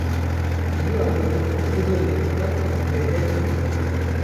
Bi vî awayî, hêzên demokrat bêdeng kirin